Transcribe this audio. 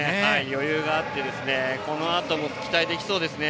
余裕があってこのあとも期待できそうですね。